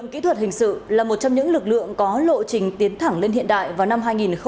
kỹ thuật hình sự là một trong những lực lượng có lộ trình tiến thẳng lên hiện đại vào năm hai nghìn hai mươi